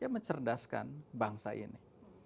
mencerdaskan bangsa ini